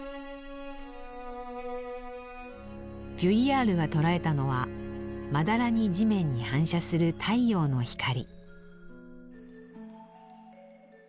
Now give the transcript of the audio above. ヴュイヤールが捉えたのはまだらに地面に反射する太陽の光。